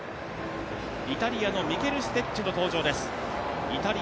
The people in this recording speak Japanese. イタリアのミケル・ステッチの登場です。